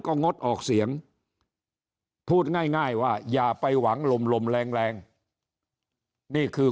ก็งดออกเสียงพูดง่ายว่าอย่าไปหวังลมลมแรงแรงนี่คือ